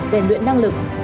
dành luyện năng lực